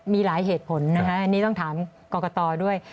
มีหลายเหตุผลนะคะอันนี้ต้องถามกรกตด้วย